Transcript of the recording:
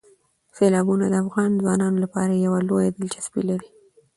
سیلابونه د افغان ځوانانو لپاره یوه لویه دلچسپي لري.